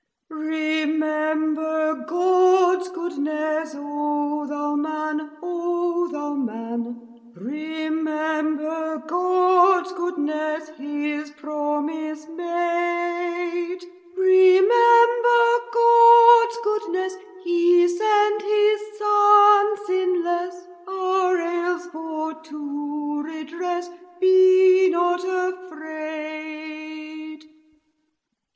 Remember God's goodnesse, O thou Man: Remember God's goodnesse, His promise made. Remember God's goodnesse; He sent His Son sinlesse Our ails for to redress; Be not afraid!